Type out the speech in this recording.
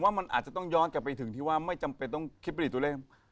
ว่ามันอาจจะต้องย้อนกลับไปถึงที่ว่าไม่จำเป็นต้องคิดผลิตตัวเลข